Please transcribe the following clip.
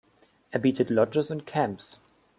Er bietet Lodges und Camps.